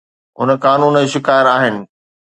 هن قانون جو شڪار آهن